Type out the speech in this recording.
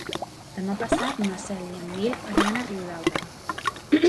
Demà passat na Cel i en Nil aniran a Riudaura.